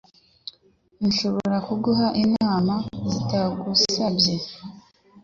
Nshobora kuguha inama zitagusabye?